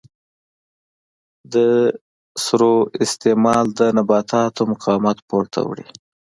د سرو استعمال د نباتاتو مقاومت پورته وړي.